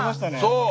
そう！